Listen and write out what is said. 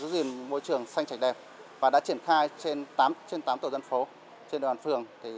tìm môi trường xanh trạch đẹp và đã triển khai trên tám tổ dân phố trên đoàn phường